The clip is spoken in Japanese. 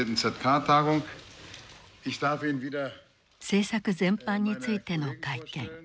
政策全般についての会見。